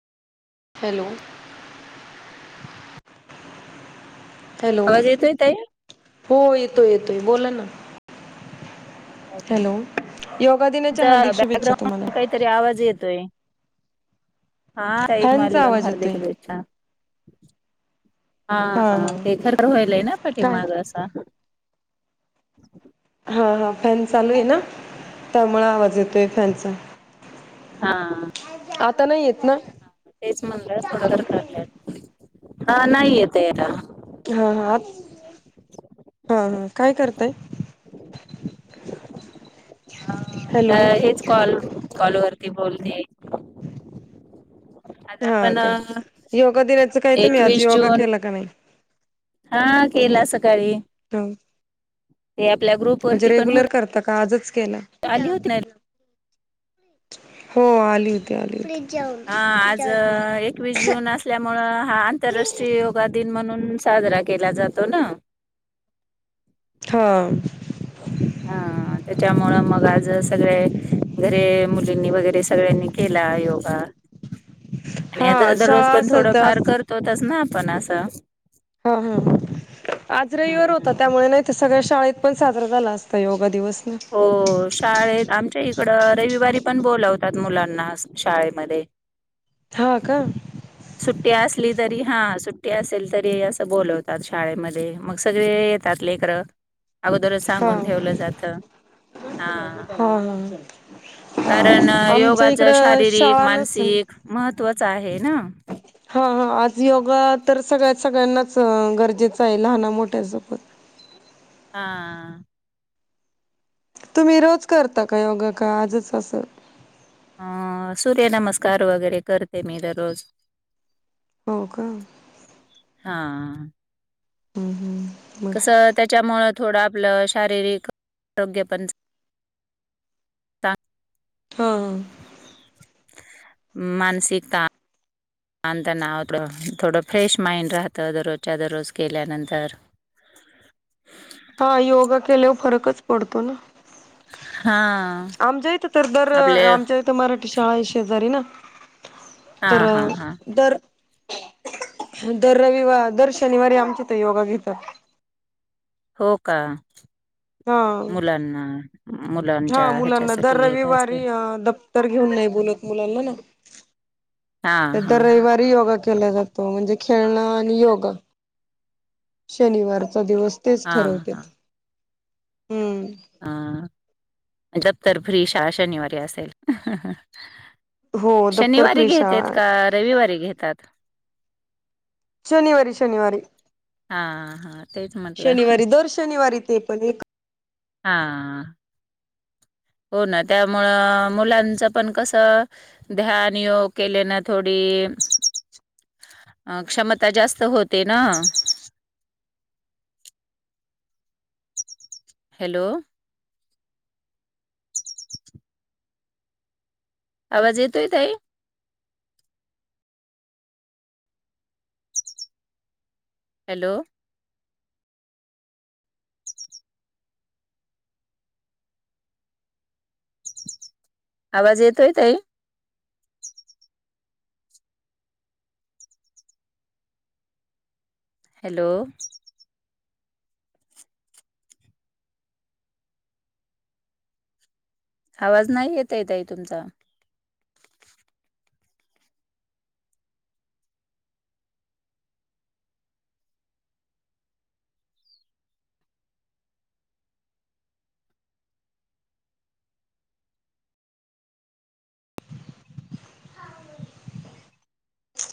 Hello [inaudible] hello आवाज येतोय ताई? हो येतोय येतोय बोला ना हॅलो योगा दिनाच्या तुमचा हार्दिक शुभेच्छा तुम्हाला बॅकग्राउंड काहीतरी आवाज येतोय. हा तुम्हाला फॅनचा पण आवाज हार्दिक येतोय शुभेच्छा हा हा ते खर वयल आहे ना काय पाठीमाग हा हा फॅन चालू आहे ना त्यामुळे आवाज येतोय हा आता नाही येत ना तेच म्हणलं थोडं कर करलंय हा नाही येत आहे हा हा हा हा काय करताय हा हॅलो आता हेच कॉल कॉलवरती बोलणे आज हा आपण का योगा दिनाचं काय तुम्ही आज एकवीस योगा जून केला का नाही हा केला सकाळी ह ते आपल्या ग्रुप म्हणजे वरती पण होत रेग्युलर करता का आजच केला हो आली होती आली होती जाऊ हा आज जाऊदे ना राष्ट्रीय योगा दिन म्हणून साजरा केला जातो ना हा हा त्याच्यामुळं मग आज सगळे घरे मुलींनी वगैरे सगळ्यांनी केले ला योगा [unintelligible] आणि हा आता दररोज शाळा पण असेल थोडं तर आज फार करतोच ना आपण असं हा हा आज रविवार होता हम्म त्यामुळे नाही सगळ्या शाळेत पण साजरा झाला असता योगा दिवस ना. हो शाळेत आमच्या इथं इकडे रविवारी पण बोलावतात मुलांना शाळेमध्ये हा का सुट्टी असली तरी हा सुट्टी असेल तरी असं बोलवतात शाळेमध्ये मग सगळे येतात लेकर अगोदर हा सांगून ठेवलं जात हा हा हा. कारण आमच्या योगाच इकडं शारीरिक शाळा नसेल मानसिक महत्वाच आहे ना हा हा आज योगा तर सगळ्या सगळ्यांनाच गरजेचं आहे लहाना मोठ्या सोबत [inaudible] हा. तुम्ही रोज करता का योगा का आजच असं अं सूर्य नमस्कार वगैरे करते मी दररोज हो का हम्म हा हम्म हम्म मग कसं त्याच्यामुळं थोडं आपलं शारीरिक आरोग्य पण [inaudible] चांग हा हा मानसिकता. आणि त्यांनां थोडं फ्रेश माइंड राहतं दररोजच्या दररोज केल्यानंतर हा योगा केल्यावर फरकच पडतो ना [inaudible] आमच्या इथं तर दर आपले आमच्या इथं मराठी शाळा आहे शेजारी ना हा तर हा हा दर दर रविवार दर शनिवारी आमच्या इथे योगा घेतात हो का हा मुलांना हा मुलांच्या मुलांना दर ह्याच्यासाठी घेत रविवारी असतील दप्तर घेऊ नाही बोलत मुलांना ना [unintelligible] हा हा इधर हा रविवारी योगा [inaudible] केला जातो म्हणजे खेळण आणि योगा शनिवार चा दिवस तेच हा ठरवते हा दफ्तर फ्री शाळा शनिवारी असेल हो दप्तर शनिवारी फ्री घेतेत शाळा का रविवारी घेतात [unintelligible] शनिवारी शनिवारी हा हा तेच म्हटलं शनिवारी [unintelligible] दर शनिवारी ते [unintelligible] पण एक हा [unintelligible] [unintelligible] हो ना त्यामुळं मुलांचं पण कसं ध्यान योग केले ना थोडी [unintelligible] [unintelligible] अ क्षमता जास्त होते ना [unintelligible] हॅलो आवाज येतोय ताई हॅलो आवाज येतोय ताई हॅलो आवाज नाही येताय ताई तुमचा